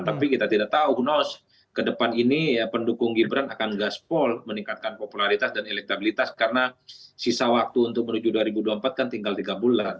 tapi kita tidak tahu noz ke depan ini pendukung gibran akan gaspol meningkatkan popularitas dan elektabilitas karena sisa waktu untuk menuju dua ribu dua puluh empat kan tinggal tiga bulan